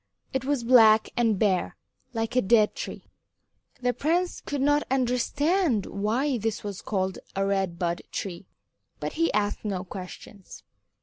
It was black and bare like a dead tree. The prince could not understand why this was called a Red Bud Tree, but he asked no questions.